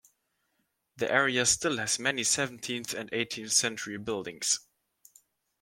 The area still has many seventeenth and eighteenth century buildings.